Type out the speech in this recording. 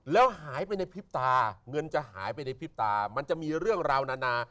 แล้วหายไปในพริบตาเงินจะหายไปในพริบตามันจะมีเรื่องราวนานา